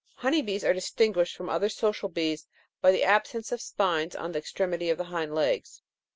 Honey bees are distinguished from other social bees by the absence of spines on the extremity of the hind legs.